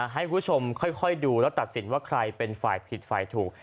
ให้คุณผู้ชมค่อยดูแล้วตัดสินว่าใครเป็นฝ่ายผิดฝ่ายถูก